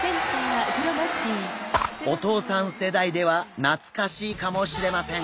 お父さん世代では懐かしいかもしれません。